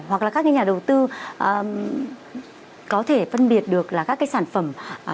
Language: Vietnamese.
hoặc là các cái nhà đầu tư có thể phân biệt được là các cái sản phẩm